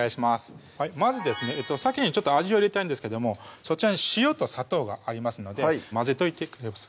まずですねさけに味を入れたいんですけどもそちらに塩と砂糖がありますので混ぜといてくれます？